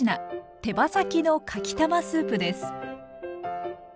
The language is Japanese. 手羽先のかきたまスープです。